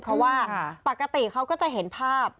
เพราะว่าปกติเขาก็จะเห็นภาพ